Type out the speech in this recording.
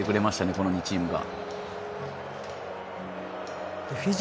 この２チームが。